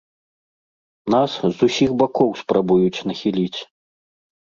Нас з усіх бакоў спрабуюць нахіліць.